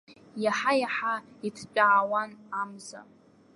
Иаҳа-иаҳа иҭтәаауан амза.